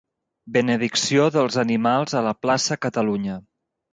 Benedicció dels animals a la Plaça Catalunya.